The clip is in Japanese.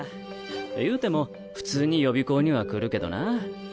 いうても普通に予備校には来るけどな。